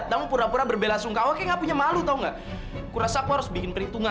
sampai jumpa di video selanjutnya